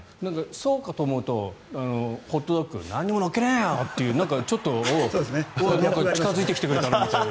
そうかと思うとホットドッグに何も乗っけねーよ！というちょっと近付いてきてくれたなみたいな。